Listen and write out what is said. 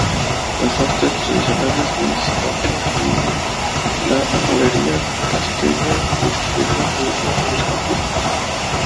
Las artes tradicionales de Zimbabue incluyen la alfarería, cestería, textilería, joyería y escultura.